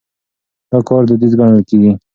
دا کار دوديز ګڼل کېږي.